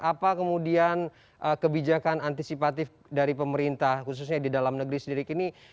apa kemudian kebijakan antisipatif dari pemerintah khususnya di dalam negeri sendiri kini